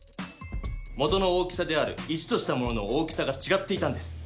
元の大きさである１としたものの大きさがちがっていたんです。